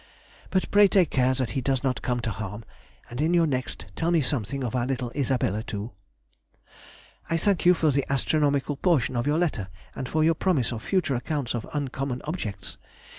but pray take care that he does not come to harm, and in your next tell me something of our little Isabella, too. [Sidenote: 1834. A Hole in the Sky.] I thank you for the astronomical portion of your letter, and for your promise of future accounts of uncommon objects.